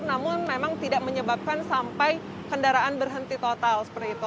namun memang tidak menyebabkan sampai kendaraan berhenti total